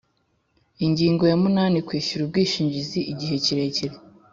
Ingingo ya munani Kwishyura ubwishingizi igihe kirekire